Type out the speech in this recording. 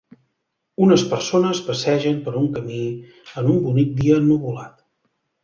Unes persones passegen per un camí en un bonic dia ennuvolat.